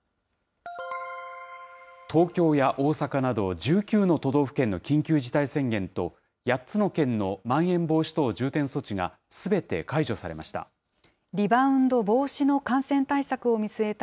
東京や大阪など１９の都道府県の緊急事態宣言と、８つの県のまん延防止等重点措置が、すべて解除されました。